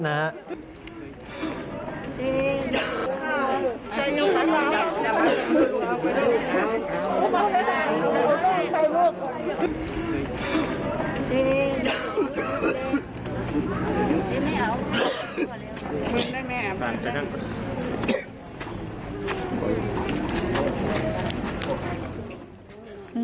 โอ้ไม่ได้ไม่ได้ไม่ได้ลูก